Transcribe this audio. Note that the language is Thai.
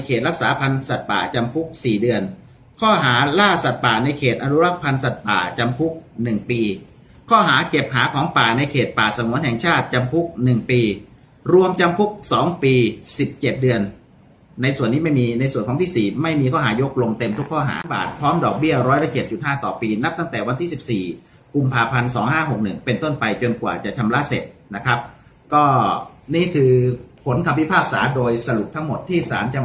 ข้อหาร่วมกันพาอาวุธปืนไปในเมืองหมู่บ้านหรือทางสาธาระโดยไม่ได้รับอนุญาตข้อหาร่วมกันพาอาวุธปืนไปในเมืองหมู่บ้านหรือทางสาธาระโดยไม่ได้รับอนุญาตข้อหาร่วมกันพาอาวุธปืนไปในเมืองหมู่บ้านหรือทางสาธาระโดยไม่ได้รับอนุญาตข้อหาร่วมกันพาอาวุธปืนไปในเมืองหมู่บ้านห